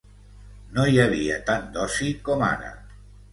no hi havia tant d'oci com ara